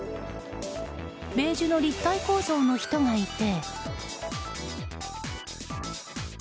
ベージュの立体構造の人がいて。